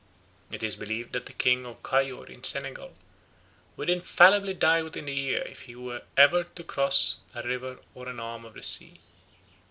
It is believed that the king of Cayor in Senegal would infallibly die within the year if he were to cross a river or an arm of the sea.